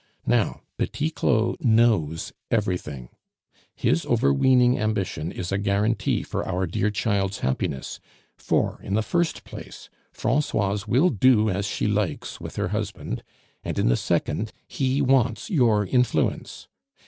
Now Petit Claud knows everything! His overweening ambition is a guarantee for our dear child's happiness; for, in the first place, Francoise will do as she likes with her husband; and, in the second, he wants your influence.